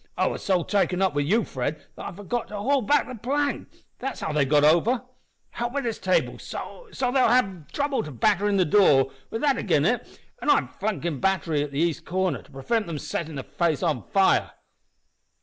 I was so taken up wi' you, Fred, that I forgot to haul back the plank; that's how they've got over. Help wi' this table so they'll have some trouble to batter in the door wi' that agin it, an' I've a flankin' battery at the east corner to prevent them settin' the place on fire."